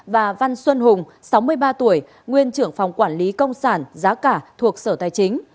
và văn xuân hùng sáu mươi ba tuổi nguyên trưởng phòng quản lý công sản giá cả thuộc sở tài chính